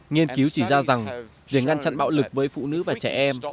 nghiên cứu chỉ ra rằng để ngăn chặn bạo lực với phụ nữ và trẻ em